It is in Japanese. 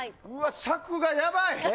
尺がやばい！